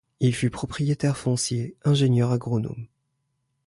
Il fut propriétaire foncier, ingénieur agronome.